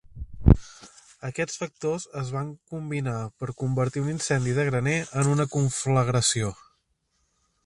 Aquests factors es van combinar per convertir un incendi de graner en una conflagració.